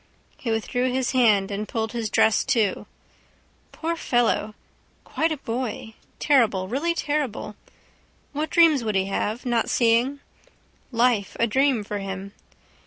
He withdrew his hand and pulled his dress to. Poor fellow! Quite a boy. Terrible. Really terrible. What dreams would he have, not seeing? Life a dream for him.